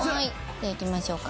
じゃあいきましょうか。